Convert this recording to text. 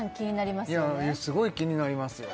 いやすごい気になりますよ